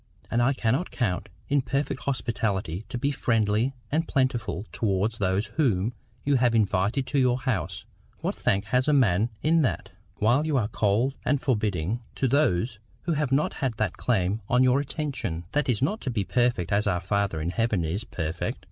And I cannot count it perfect hospitality to be friendly and plentiful towards those whom you have invited to your house—what thank has a man in that?—while you are cold and forbidding to those who have not that claim on your attention. That is not to be perfect as our Father in heaven is perfect.